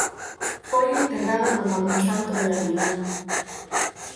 Foi enterrado no camposanto de Adina.